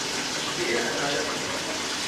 یے ادالت ہے